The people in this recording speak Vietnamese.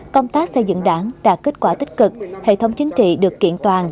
công tác xây dựng đảng đạt kết quả tích cực hệ thống chính trị được kiện toàn